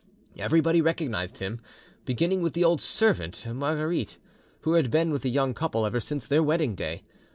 Everybody recognised him, beginning with the old servant Margherite, who had been with the young couple ever since their wedding day.